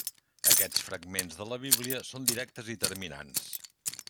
Aquests fragments de la Bíblia són directes i terminants.